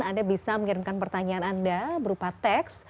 anda bisa mengirimkan pertanyaan anda berupa teks